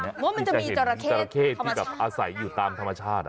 มันจะมีจราเข้ที่อาศัยอยู่ตามธรรมชาติ